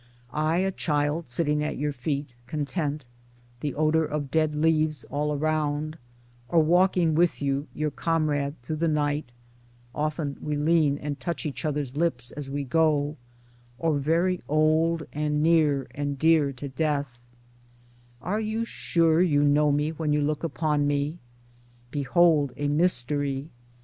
I a child sitting at your feet, content — the odor of dead leaves all around ; or walking with you, your comrade, through the night (often we lean and touch each other's lips as we go) ; or very old, and near and dear to Death : Are you sure you know me when you look upon me? Behold a mystery